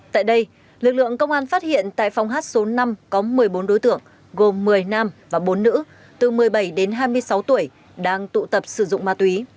tại đây lực lượng công an phát hiện tại phòng hát số năm có một mươi bốn đối tượng gồm một mươi nam và bốn nữ từ một mươi bảy đến hai mươi sáu tuổi đang tụ tập sử dụng ma túy